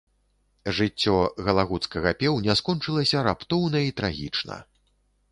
Жыццё галагуцкага пеўня скончылася раптоўна і трагічна.